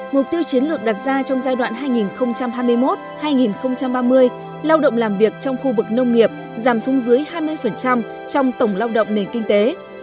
mục tiêu chiến lược đặt ra trong giai đoạn hai nghìn hai mươi một hai nghìn ba mươi lao động làm việc trong khu vực nông nghiệp giảm xuống dưới hai mươi trong tổng lao động nền kinh tế